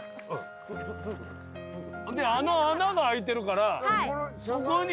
であの穴が開いてるからそこに。